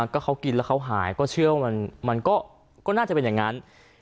ก็เขากินแล้วเขาหายก็เชื่อว่ามันก็น่าจะเป็นอย่างนั้น